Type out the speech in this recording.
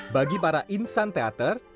bagi para insan teater